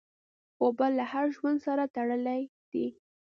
اوبه له هر ژوند سره تړلي دي.